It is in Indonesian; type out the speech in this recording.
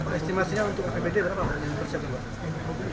pemestimasinya untuk apbd berapa